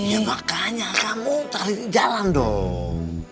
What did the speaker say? ya makanya kamu tarik jalan dong